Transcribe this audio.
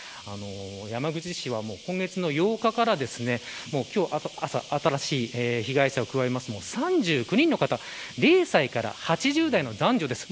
山口市は、もう今月の８日から今日朝新しい被害者を加えますと３９人の方０歳から８０代の男女です。